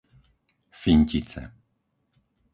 Fintice